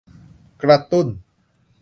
กระตุ้น